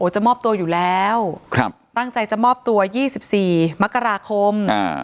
จะมอบตัวอยู่แล้วตั้งใจจะมอบตัว๒๔มกราคม